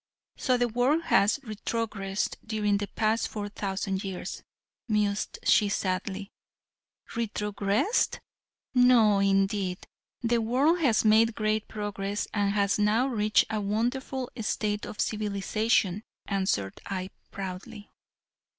"So the world has retrogressed during the past four thousand years," mused she sadly. "Retrogressed! No indeed, the world has made great progress and has now reached a wonderful state of civilization," answered I, proudly.